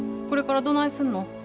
これからどないすんの？